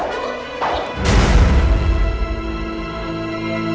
sampai jumpa di video selanjutnya